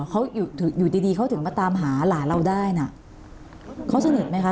เขาอยู่อยู่ดีดีเขาถึงมาตามหาหลานเราได้น่ะเขาสนิทไหมคะ